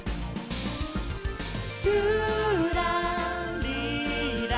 「ぴゅらりら」